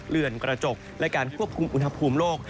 เรือนกระจกและการควบคุมอุณหภูมิโลก